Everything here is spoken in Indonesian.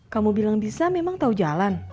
kamu bilang bisa memang tahu jalan